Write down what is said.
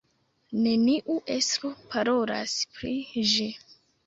Neniu estro parolas pri ĝi.